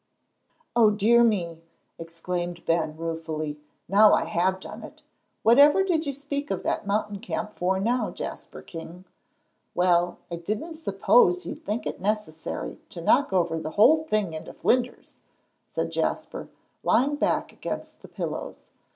"O dear me!" exclaimed Ben, ruefully. "Now I have done it! Whatever did you speak of that mountain camp for now, Jasper King?" "Well, I didn't suppose you'd think it necessary to knock over the whole thing into flinders," said Jasper, and lying back against the pillows.